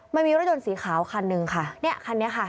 มันมีรถยนต์สีขาวคันหนึ่งค่ะเนี่ยคันนี้ค่ะ